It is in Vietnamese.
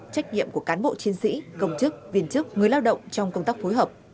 trách nhiệm của cán bộ chiến sĩ công chức viên chức người lao động trong công tác phối hợp